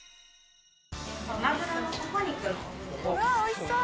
うわあおいしそう！